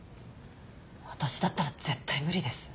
私だったら絶対無理です。